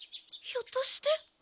ひょっとして。